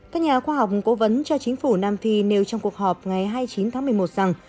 các nhà khoa học cố vấn cho chính phủ nam phi nêu trong cuộc họp ngày hai mươi chín tháng một mươi một rằng